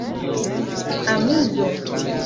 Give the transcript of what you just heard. amuzo